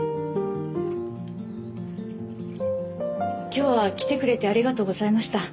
今日は来てくれてありがとうございました。